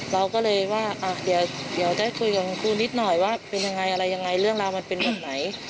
เราก็เลยว่าเดี๋ยวได้คุยกับคุณครูนิดหน่อยว่าเป็นยังไงอะไรยังไงเรื่องราวมันเป็นแบบไหน